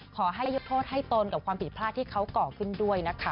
ขอให้ยกโทษให้ตนกับความผิดพลาดที่เขาก่อขึ้นด้วยนะคะ